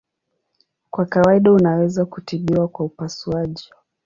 Kwa kawaida unaweza kutibiwa kwa upasuaji.